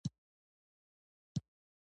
خو اهميت دې ورنه کړ.